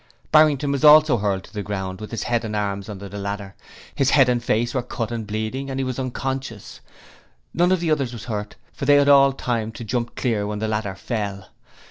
Barrington was also hurled to the ground with his head and arms under the ladder; his head and face were cut and bleeding and he was unconscious; none of the others was hurt, for they had all had time to jump clear when the ladder fell.